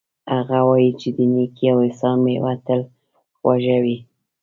هغه وایي چې د نیکۍ او احسان میوه تل خوږه وي